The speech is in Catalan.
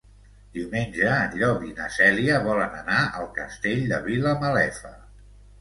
Diumenge en Llop i na Cèlia volen anar al Castell de Vilamalefa.